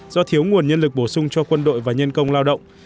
do thiếu nguồn nhân lực bổ sung cho quân đội và nhân công lao động